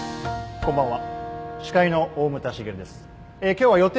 こんばんは。